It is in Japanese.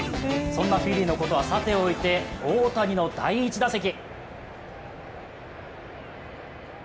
そんなフィリーのことはさておき大谷の第１打席。